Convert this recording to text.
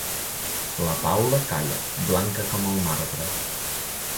La Paula calla, blanca com el marbre.